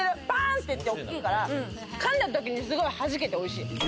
パンっていって大きいから、噛んだ時にすごいはじけておいしい。